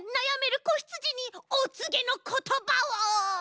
やめるこひつじにおつげのことばを！